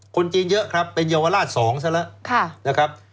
คนจีนเยอะครับเป็นเยาวราช๒ซะแล้วนะครับ